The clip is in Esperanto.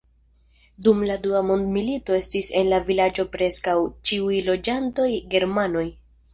Dum la dua mondmilito estis en la vilaĝo preskaŭ ĉiuj loĝantoj germanoj.